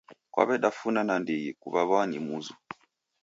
Kaw'edafuna nandighi kuw'aw'a ni muzu